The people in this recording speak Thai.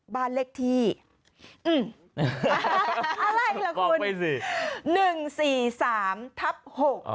บ้านเลขที่อืมอะไรล่ะคุณนี่สิหนึ่งสี่สามทับหก